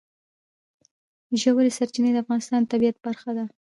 ژورې سرچینې د افغانستان د طبیعت برخه ده.